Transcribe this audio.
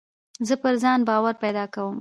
زه پر ځان باور پیدا کوم.